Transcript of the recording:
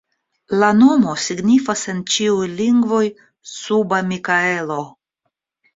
La nomo signifas en ĉiuj lingvoj: suba Mikaelo.